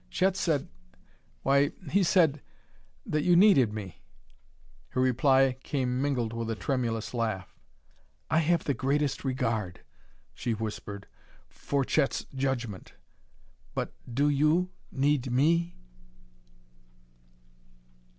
"Chet said why, he said that you needed me " Her reply came mingled with a tremulous laugh. "I have the greatest regard," she whispered, "for Chet's judgement. But do you need me?"